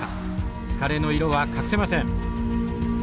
疲れの色は隠せません。